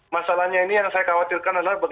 masalahnya ini yang saya khawatirkan adalah